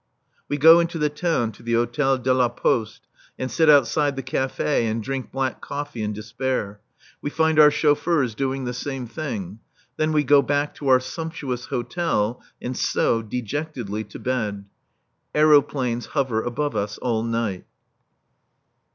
We go out into the town, to the Hôtel de la Poste, and sit outside the café and drink black coffee in despair. We find our chauffeurs doing the same thing. Then we go back to our sumptuous hotel and so, dejectedly, to bed. Aeroplanes hover above us all night.